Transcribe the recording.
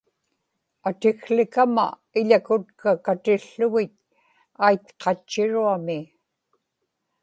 atikłikama iḷakutka katiłługit aitqatchiruami